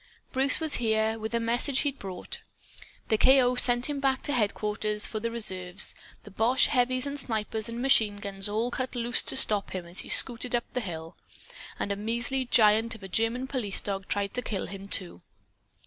Bruce was here, with a message he'd brought. The K.O. sent him back to headquarters for the reserves. The boche heavies and snipers and machine guns all cut loose to stop him as he scooted up the hill. And a measly giant of a German police dog tried to kill him, too.